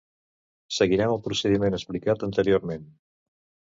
Seguirem el procediment explicat anteriorment.